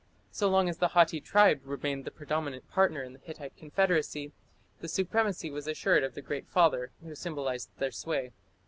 So long as the Hatti tribe remained the predominant partner in the Hittite confederacy, the supremacy was assured of the Great Father who symbolized their sway.